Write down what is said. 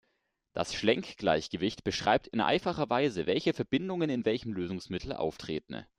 Das Schlenk-Gleichgewicht beschreibt in einfacher Weise, welche Verbindungen in welchem Lösungsmittel auftreten.